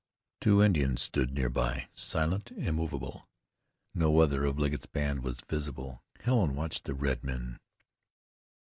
Two Indians stood near by silent, immovable. No other of Legget's band was visible. Helen watched the red men.